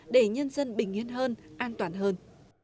để nhân dân bình yên hơn an toàn hơn